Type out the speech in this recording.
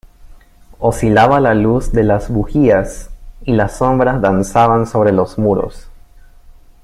oscilaba la luz de las bujías, y las sombras danzaban sobre los muros.